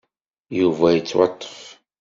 Yuba yettwaṭṭef.